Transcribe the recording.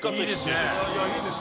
いいです。